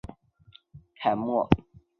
特雷德雷洛凯莫。